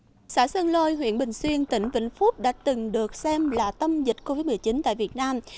tại xã sơn lôi huyện bình xuyên tỉnh vĩnh phúc đã từng được xem là tâm dịch covid một mươi chín tại việt nam